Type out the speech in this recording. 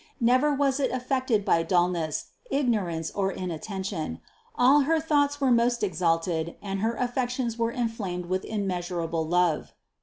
Never was it affected by dullness, ignorance or inattention; all her thoughts were most exalted and her affections were inflamed with immeasurable love.